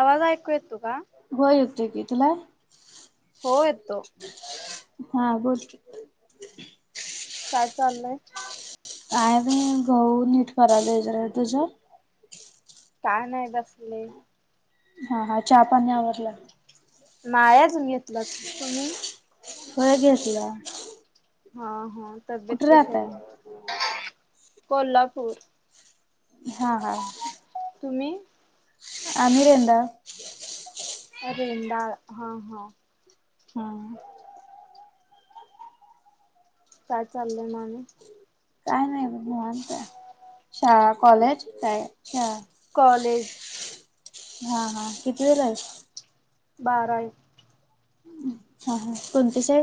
आवाज ऐकू येत का. व्हय येतोय की तुला. हो येतो. हा बोल. काय चाललंय. काय बाई गहू नीट करालोय आहे तुझं. काय नाहीतसले. हा हा चहा पाणी आवरला. माळ्याजून घेतला तुम्ही. होळग असला. हा हा तब्येत कशी आहे राहताय? कोल्हापूर. हा हा. तुम्ही. अमिर यंद. रेंद हा हा. हा. काय चाललंय माने. काय नाही बण का शाळा कॉलेज का आहे. ह कॉलेज हा हा किती वेला आहे. बारा. हा हा कोणते स.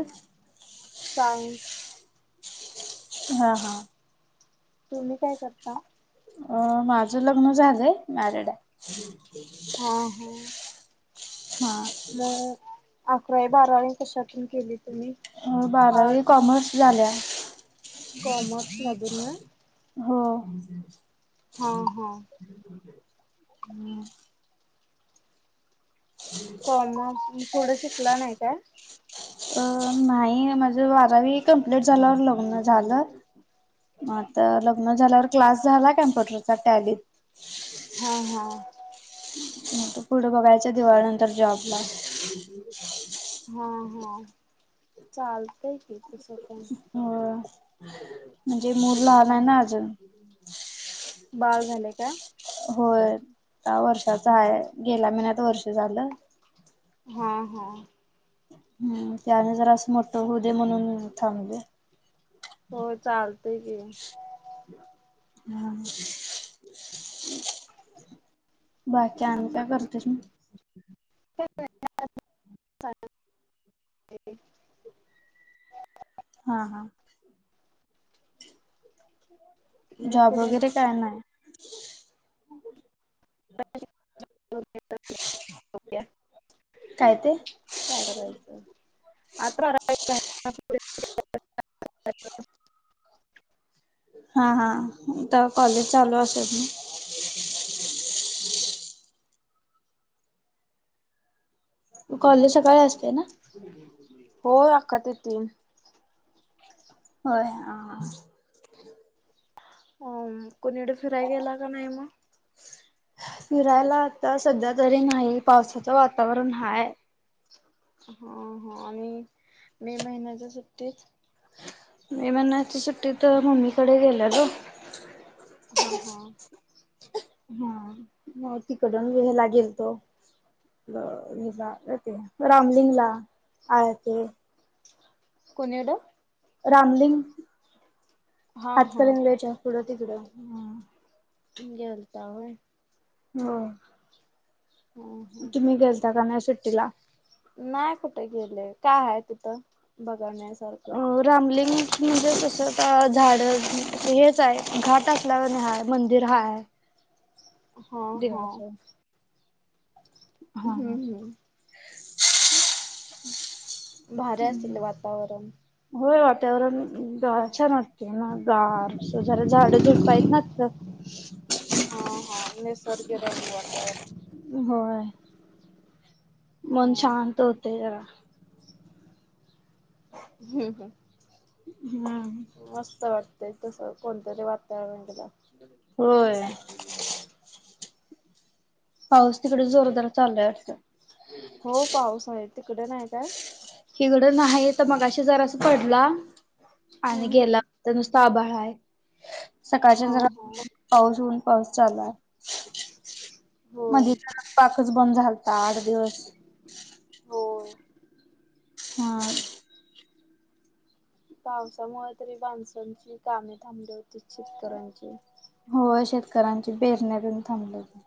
सायंस. हा हा. तुम्ही काय करता. अ माझं लग्न झालंय मॅरिड आहे. हा हम. हा. मग अकरा बारा आणि कशातून केली. तुम्ही? बारावी आर्ट्स कॉमर्स झाल्या. कॉमर्स मधून होय. हो. हा हा कोम पुुढं शिकला नाही काय. अ नाही माझं वारावी कम्प्लीट झाल्यावर लग्न झालं. मग आता लग्न झाल्यावर क्लास झाला कम्प्युटरचा त्याॅलीत. हा हा. त पुढं बघायच्या दिवाळ नंतर जॉब ला. ह. हा हा चालतंय की तसं. पण हो म्हणजे मूल लाानय ना अजून. बाळ झाले का. होय वर्षाच आहे गेल्या महिन्यात वर्ष झालं. हा हा. हम्म त्याने जर असं मोठ हो दे म्हणून थांबले. होय चालतय की. हम. बाकी आम क्या करते तुही. ठी. ते. हा हा. मग जॉब कुणीकडे वगैरे काय नाही. [unintelligible] काय ते? काय करायचं आता. हा हा तर कॉलेज चालू असेल मी. कॉलेज सकाळी असते ना. हो आखात ती. होय हा. अ कोणीडे फिरायला गेला का नाही मग. फिरायला आता सध्या तरी नाही पावसाचं वातावरण हाय. हा ह आणि मे महिन्याच्या सुट्टीतं? मे महिन्याच्या सुट्टीत मम्मी कडे गेले ग. हा हा. हा म तिकडून हेला लागेल तो. हि येते रामलिंगला आहे ते. कोणी कडं? रामलिंग हा हा हातकनगल्याच्या पुढं तिकडं. हम्म गेलता होय. हा. हा हा तुम्ही गेलता का नाही सुट्टीला? नाही कुठे गेले काय आहे तिथं बघण्यासारखं? अ रामलिंग म्हणजे तस का झाड हेच आहे घाट असल्या वाणी हाय मंदिर हाय. हा हा. देवाचं हा. हम्म हम्म भारी असेल वातावरण. होय वातावरण ग छान वाटते ना गार. असं जरा झाडं झुडप आहेत ना तिथं. हा हा निसर्ग रम्य वातावरण. होय. मन हा शांत होते जरा. हम्म हम्म मस्त वाटत. तसं कोणतंरी वातावरण केलं. होय. पाऊस तिकड जोरदार चाललाय वाटतं? हो पाऊस आहे. तिकडे नाही काय? हिकडं नाही तर मगाशी जरास पडला आणि हम्म हम्म गेला. तर नुसत आभाळ आहे सकाळच्या हा जरा हा पाऊस ऊन पाऊस चालू आहे. होय [unintelligible] बंद झालता आठ दिवस. हो. ह. पावसामुळे तरी माणसांची काम थांबली होती शेतकऱ्यांची. हो शेतकऱ्यांची बेरनी पण थांबली होती.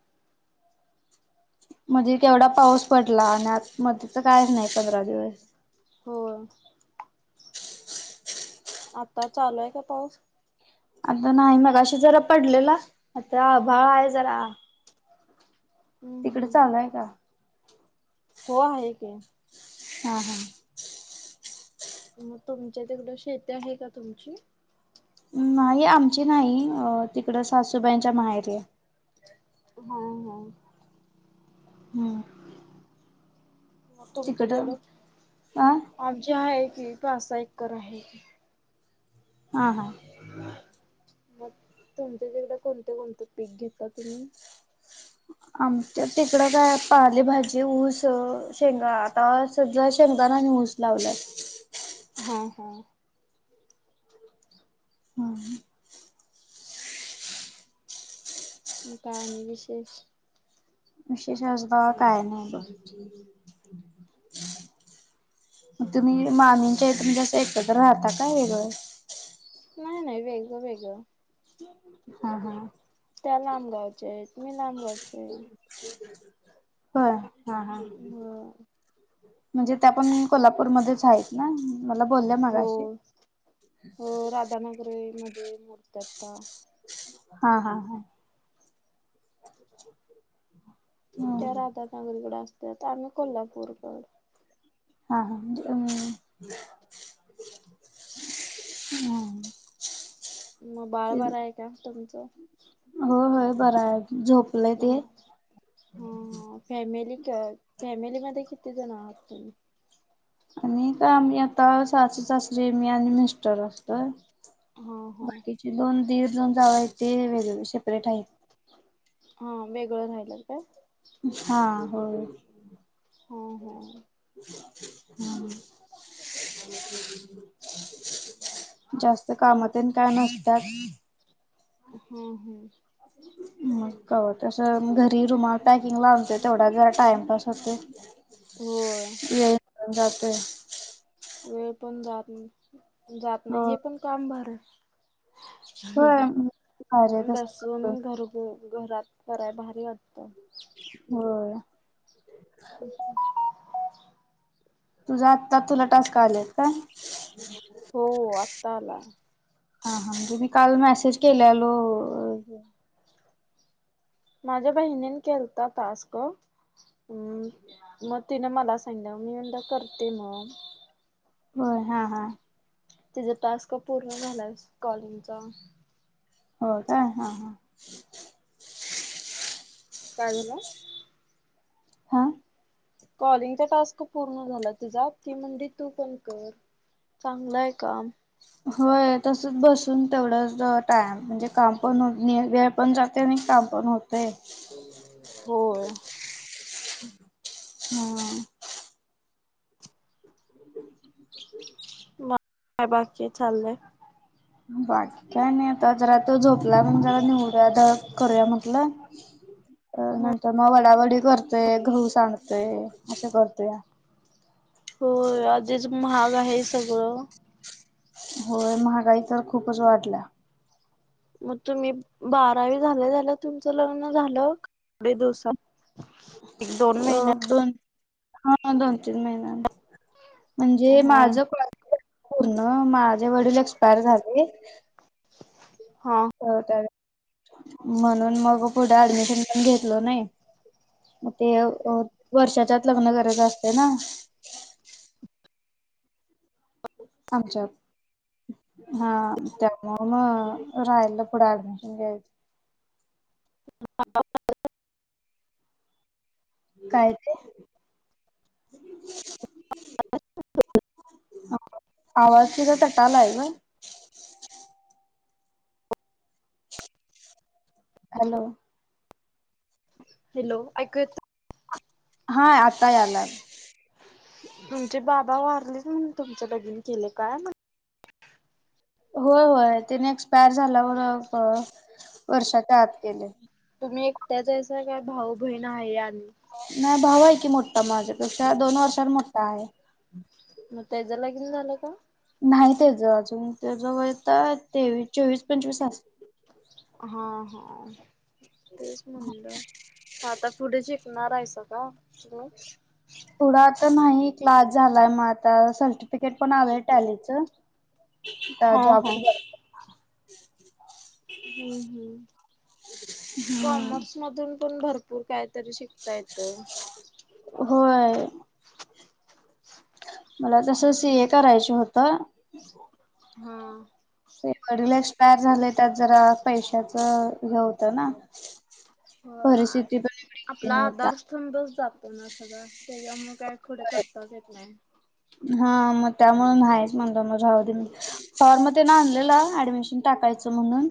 म्हध्ये तेवढा पाऊस पडला आणि आ मध्ये तर कायच नाही पंधरा दिवस. हो. आता चालू आहे का पाऊस? आता नाही मगाशी जरा पडलेला आता आभाळ आहे जरा. हम्म तिकडे हम्म चालूय का. हो आहे कि. हा हा. मग तुमच्या तिकडं शेती आहे का तुमची? नाही आमची नाही तिकड सासूबाईंच्या माहेरी आहे. हम् हम् हम्म म तुमच्याकड तिकडं आ आमची आहे कि पासा एककर आहे की. हां हां. मग तुमच्या तिकडे कोणते कोणते पीक घेतला तुम्ही? आमच्या तिकडं काय पाली भाजी ऊस शेंगा आता सध्या शेंगदानं आणि ऊस लावलं. हा हा. हा. म काय आणि विशेष? विशेष आज बगा काय नाही. मग तुम्ही मामींच्या इथं म्हणजे एकत्र राहता काय वेगळ? नाही नाही वेगंळ वेगंळ. [inaudible] हा हा. त्या लांब गावच्या आहेत मी लांब गावची आहे. [inaudible] होय हा ह हो म्हणजे त्या पण कोल्हापूरमध्येच आहेत ना? मला बोलल्या हो मगाशी हो राधानगरी मध्ये मोडते आता. हा हा हा. त्या राधानगरींकड असत्यात आम्ही कोल्हापूर कडं. हा हा म्हणजे अं हा हं. म बाळ बरय का तुमचं? हो होय बराय झोप म ह ह फॅमिली क अ फॅमिलीमध्ये किती जण आहात तुम्ही? आणि काय आम्ही आता सासु सासरे मी आणि मिस्टर असतोय. हा हा. बाकीचे दोन दीर दोन जावा आहेत ते वेगळे सेपरेट आहेत. हा वेगळं राहिल्यात काय? हा होय. हा हा. हा. जास्त काम मग तेन काय नसत्यात. हम्म हम्म. मग तस घरी रुमाल पॅकिंगला आणतोय तेवढाच जरा टाइमपास होतोय. हो वेळ पण जातोय. वेळ पण जात जात नाही हो हे पण काम भारीय. हं होय अरे हं तस बसून घरु घरात कराय भारी वाटतं. होय. [inaudible] तुझ आत्ता तुला टास्क आल्यात काय? हो आत्ता आलाय. हा हा म्हणजे मी काल मेसेज केल्यालो अ माझ्या बहिणीन केलता टास्क हम मग तिन मला सांगीतलीया मी म्हणलं करते म. होय हा हा. तिच टास्क पूर्ण झालाय कॉलिंगचा. होय काय हा हा. काय झालं? हा. कॉलिंगचा टास्क पूर्ण झालाय तिजा ती म्हणली तू पण कर. चांगलंय काम. व्हय तसच बसून तेवढंच अ टाइंम म्हणजे काम पण हो नी वेळ पण जातय आणि काम पण होतय. [inaudible] होय. हा. [unintelligible] म काय बाकी चाललंय. बाकी काही नाही आता जरा तो झोपला. जरा निवडूया दळप करूया म्हटलं नंतर मग वडावडी कर. ते गहू सांडतोय अस करतोया. होय आधीच महाग आहे सगळं. होय महागाई तर खूपच वाढल्या. मग तुम्ही बारावी झाल्या झाल्या तुमचं लग्न झालं. लय दिवसान. अ दोन हा दोन तीन महिन्यां. म्हणजे ह माझ क पूण माझे वडील एक्सपायर झाले. हा. हो म्हणून मग पुढे ऍडमिशन पण घेतल नाही. मग ते वर्षाच्यात लग्न करत असते ना. आमच्या. हा त्यामु म राहाला पुढे ऍडमिशन घ्यायचं. ह. काय ते. आवाज क तर तटाला आहे का. हॅलो. हॅलो ऐक. हा आता आला. म्हणजे बाबा वारलेच म्ह तुमच्या बगिन केले काय म्ह. होय होय तिने एक्सपायर झालावर वर्षाच्या आत केले. तुम्ही एक त्याचस काय भाऊ बहीण आहे आणि. नाही भाव आहे की मोठा माझ्या पेक्षा दोन वर्षात मोठा आहे. मग त्याच्या लागेन झालं का. नाही त्याच अजून त्या ज वय तर तेवीस चोवीस पंचवीस असत. हा हा तेच म्हणलं. आता पुढे शिकणारयचं का तुम्ही. थोडा आता नाही क्लास झालाय मग आता सर्टिफिकेट पण आलंय टॅलीच. तर हा ज हा बघ. हम्म हम्म कम. हम्म मधून पण भरपूर कायतरी शिकता येतं. होय. मला तसं स ए करायच होतं. हा. ते वडला एक्सपायर झालं त्यात जरा पैशाच हे होत ना. हो परिस्थिती पण एवढी हे आपला नाही का आदार. समडोस जातो ना सगळं त्याच्या म काय पुढे करता येत नाहीय. हा मग त्यामुळे नाहीच म्हणत मझ हव म. फॉर्म ते ना आणलेला ऍडमिशन टाकायचं म्हणून.